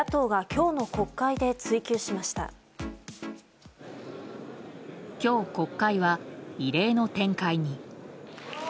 今日、国会は異例の展開に。